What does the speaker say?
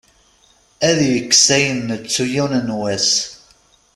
Ad yekkes ayen nettu yiwen n wass.